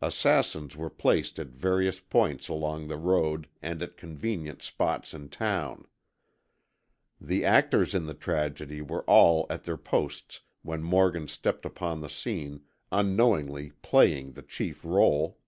Assassins were placed at various points along the road and at convenient spots in town. The actors in the tragedy were all at their posts when Morgan stepped upon the scene, unknowingly playing the chief role.